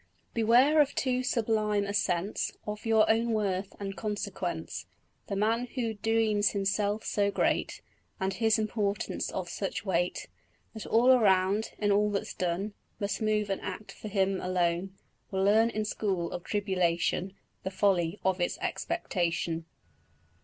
Beware of too sublime a sense Of your own worth and consequence: The man who dreams himself so great, And his importance of such weight, That all around, in all that's done, Must move and act for him alone, Will learn in school of tribulation The folly of his expectation.